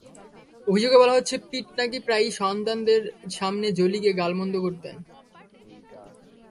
অভিযোগে বলা হচ্ছে, পিট নাকি প্রায়ই সন্তানদের সামনে জোলিকে গালমন্দ করতেন।